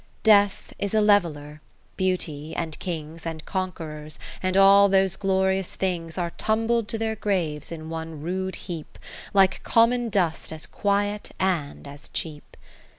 Death is a Leveller ; Beauty, and Kings, And Conquerors, and all those glorious things. Are tumbled to their graves in one rude heap. Like common dust as quiet and as cheap.